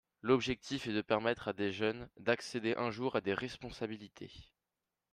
L’objectif est de permettre à des jeunes d’accéder un jour à des responsabilités.